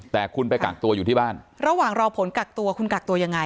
แต่คุณไปกักตัวอยู่ที่บ้านระหว่างรอผลกักตัวคุณกักตัวยังไง